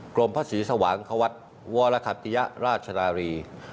กรมพระศรีสวังควัตรวรคัตยราชนารี